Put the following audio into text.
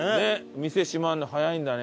店閉まるの早いんだね